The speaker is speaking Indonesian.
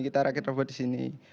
kita rakit robot disini